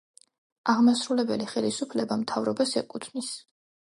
აღმასრულებელი ხელისუფლება მთავრობას ეკუთვნის.